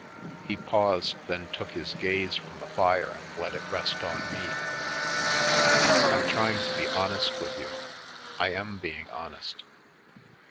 He paused, then took his gaze from the fire and let it rest on me. " I'm trying to be honest with you. I am being honest.